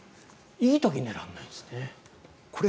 いい時に寝られないんですね。